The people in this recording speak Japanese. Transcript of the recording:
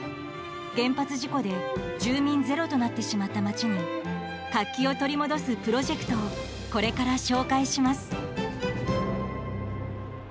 原発事故で住民ゼロとなってしまった町に活気を取り戻すプロジェクトをこれから紹介します。